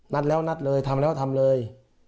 นัดแล้วนัดเลยทำแล้วทำเลย